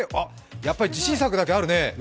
やっぱり自信作だけあるね